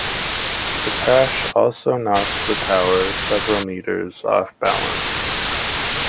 The crash also knocked the tower several metres off balance.